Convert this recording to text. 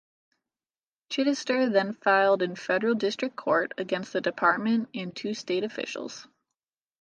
Chittister then filed in federal district court against the Department and two state officials.